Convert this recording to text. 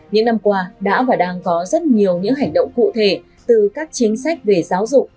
những năm qua đã và đang có rất nhiều những hành động cụ thể từ các chính sách về giáo dục